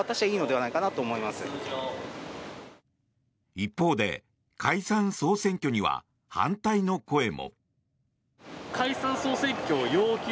一方で解散・総選挙には反対の声も。